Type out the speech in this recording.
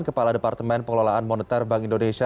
kepala departemen pengelolaan moneter bank indonesia